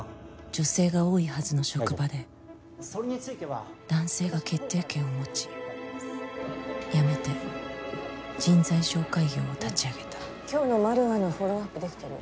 女性が多いはずの職場でそれについては男性が決定権を持ち辞めて人材紹介業を立ち上げた今日のマルワのフォローアップできてる？